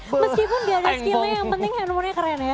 meskipun gak ada skillnya yang penting handphonenya keren ya